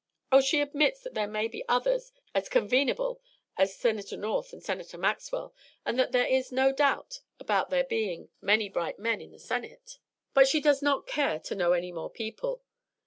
"Oh, she admits that there may be others as convenable as Senator North and Senator Maxwell, and that there is no doubt about there being many bright men in the Senate; but she 'does not care to know any more people.'